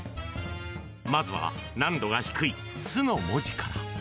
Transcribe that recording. まずは難度が低い「ス」の文字から。